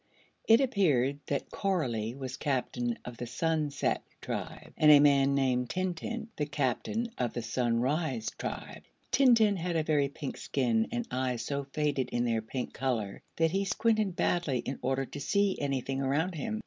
It appeared that Coralie was Captain of the Sunset Tribe and a man named Tintint the Captain of the Sunrise Tribe. Tintint had a very pink skin and eyes so faded in their pink color that he squinted badly in order to see anything around him.